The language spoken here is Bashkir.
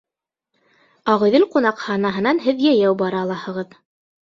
«Ағиҙел» ҡунаҡханаһынан һеҙ йәйәү бара алаһығыҙ.